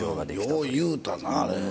よう言うたなあれ。